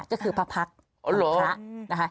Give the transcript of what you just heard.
ก็คือพระพักษ์พระนะคะ